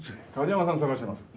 梶山さん捜してます。